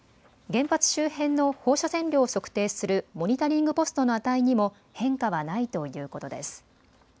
原発周辺の放射線量を測定するモニタリングポストの値にも変化はないということです。